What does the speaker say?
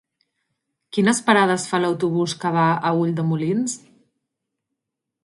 Quines parades fa l'autobús que va a Ulldemolins?